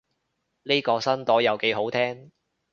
呢個新朵又幾好聽